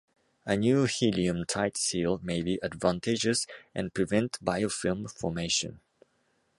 A new helium tight seal may be advantageous and prevent biofilm formation.